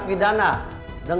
tapi aku mau nyamperin mereka